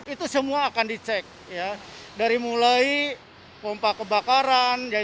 itu semua akan dicek dari mulai pompa kebakaran